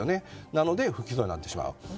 なので、不起訴になってしまう。